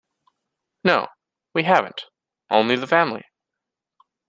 No, we haven't, only the family.